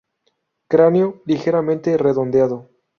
Cráneo ligeramente redondeado.